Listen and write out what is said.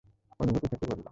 অনুভূতি থেকে বললাম।